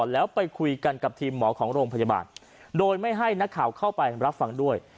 แล้วไปคุยกันกับทีมหมอของโรงพยาบาลโดยไม่ให้นักข่าวเข้าไปรับฟังด้วย